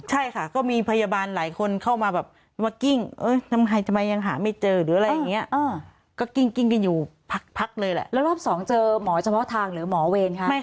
ใช่ค่ะก็มีพยาบาลหลายคนเข้ามาแบบมากิ้งเอ้ยทำไมยังหาไม่เจอหรืออะไรอย่างงี้